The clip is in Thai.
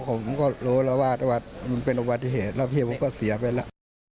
ผมก็รู้แล้วว่ามันเป็นอุบัติเหตุแล้วพี่ผมก็เสียไปแล้ว